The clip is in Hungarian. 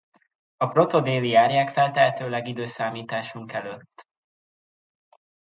A proto-déli-árják feltehetőleg i.e.